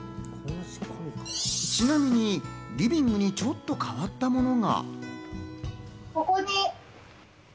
ちなみにリビングに、ちょっと変わったものが。